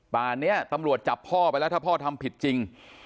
ป่านนี้ตำรวจจับพ่อไปแล้วถ้าพ่อทำผิดจริง